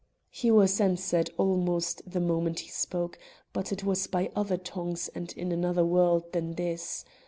He was answered almost the moment he spoke; but it was by other tongues and in another world than this.